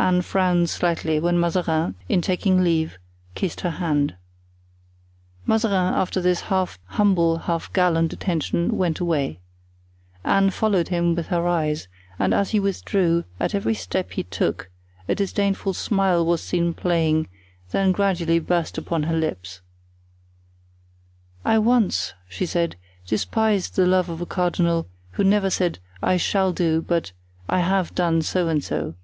Anne frowned slightly when Mazarin, in taking leave, kissed her hand. Mazarin, after this half humble, half gallant attention, went away. Anne followed him with her eyes, and as he withdrew, at every step he took, a disdainful smile was seen playing, then gradually burst upon her lips. "I once," she said, "despised the love of a cardinal who never said 'I shall do,' but, 'I have done so and so.